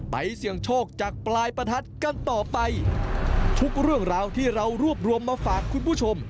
เสี่ยงโชคจากปลายประทัดกันต่อไปทุกเรื่องราวที่เรารวบรวมมาฝากคุณผู้ชม